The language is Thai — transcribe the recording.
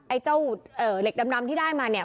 ไอ้เจ้าเหล็กดำที่ได้มาเนี่ย